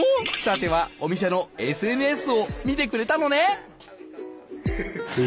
さてはお店のＳＮＳを見てくれたのね。